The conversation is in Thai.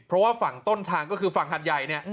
เพราะว่าฝั่งต้นทางก็คือฝั่งหัดใหญ่เนี่ย